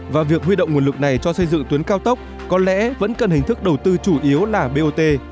và việc huy động nguồn lực này cho xây dựng tuyến cao tốc có lẽ vẫn cần hình thức đầu tư chủ yếu là bot